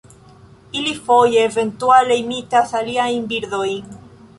Ili foje eventuale imitas aliajn birdojn.